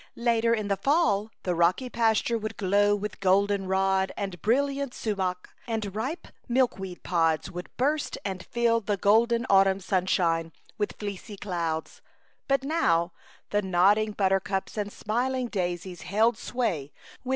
Later in the fall the rocky pasture would glow with golden rod and brilliant sumach, and ripe milk weed pods would burst and fill the golden 2 A Chautauqua Idyl. autumn sunshine with fleecy clouds. But now the nodding buttercups and smiling daisies held sway, with